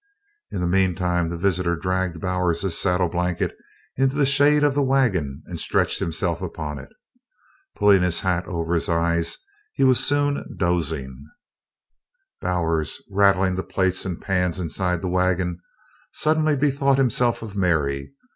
In the meanwhile the visitor dragged Bowers's saddle blanket into the shade of the wagon and stretched himself upon it. Pulling his hat over his eyes he soon was dozing. Bowers, rattling the plates and pans inside the wagon, suddenly bethought himself of Mary.